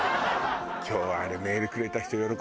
今日はあれメールくれた人喜んでるよ。